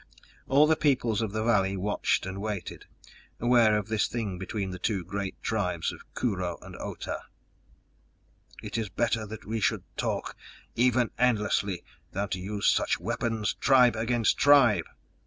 All the peoples of the valley watched and waited, aware of this thing between the two great tribes of Kurho and Otah. "It is better that we should talk, even endlessly, than to use such weapons tribe against tribe!"